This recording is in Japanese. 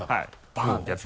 バン！ってやつ。